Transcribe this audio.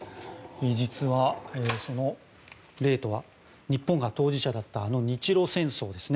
実は、その例とは日本が当事者だったあの日露戦争ですね。